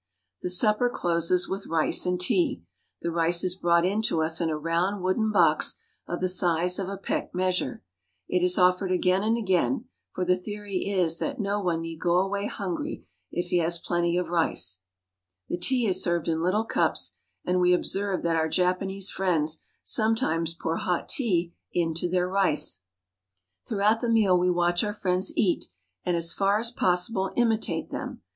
The supper closes with rice and tea. The rice is brought in to us in a round wooden box of the size of a peck measure. It is offered again and again ; for the theory is that no one need go away hungry if he has plenty of rice. The tea is served in little cups, and we observe that our Japanese friends sometimes pour hot tea into their rice. Japanese Family at Dinner. Throughout the meal we watch our friends eat, and as \ far as possible imitate them.